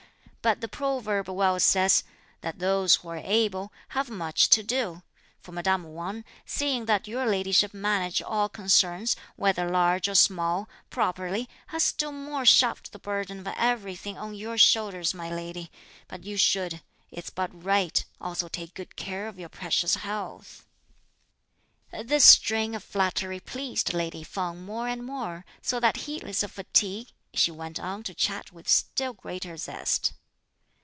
But the proverb well says: 'that those who are able have much to do;' for madame Wang, seeing that your ladyship manages all concerns, whether large or small, properly, has still more shoved the burden of everything on your shoulders, my lady; but you should, it's but right, also take good care of your precious health." This string of flattery pleased lady Feng more and more, so that heedless of fatigue she went on to chat with still greater zest.